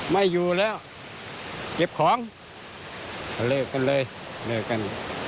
ไม่อยู่แล้วเก็บของก็เลิกกันเลยเลิกกัน